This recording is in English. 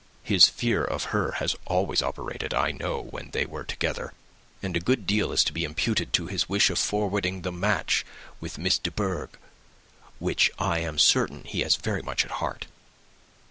His fear of her has always operated, I know, when they were together; and a good deal is to be imputed to his wish of forwarding the match with Miss de Bourgh, which I am certain he has very much at heart."